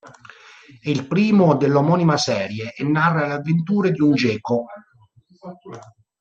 È il primo dell'omonima serie e narra le avventure di un geco.